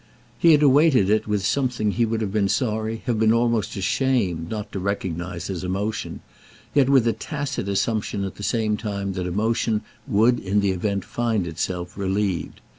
He had awaited it with something he would have been sorry, have been almost ashamed not to recognise as emotion, yet with a tacit assumption at the same time that emotion would in the event find itself relieved.